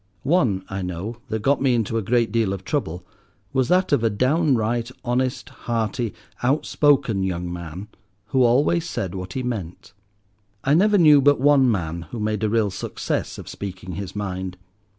One, I know, that got me into a good deal of trouble was that of a downright, honest, hearty, outspoken young man who always said what he meant. I never knew but one man who made a real success of speaking his mind.